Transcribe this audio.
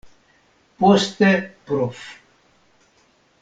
Poste prof.